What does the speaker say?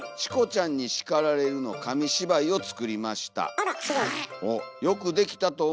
あらすごい。